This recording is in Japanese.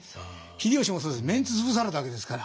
秀吉もそうですメンツ潰されたわけですから。